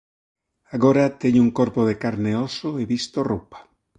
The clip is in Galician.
Agora teño un corpo de carne e óso e visto roupa.